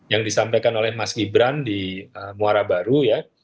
yang disampaikan oleh mas gibran di muara baru ya